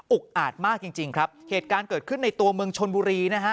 อาจมากจริงจริงครับเหตุการณ์เกิดขึ้นในตัวเมืองชนบุรีนะฮะ